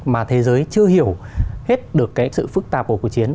mà thế giới chưa hiểu hết được cái sự phức tạp của cuộc chiến